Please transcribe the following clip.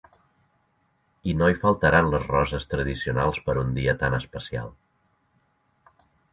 I no hi faltaran les roses tradicionals per a un dia tan especial.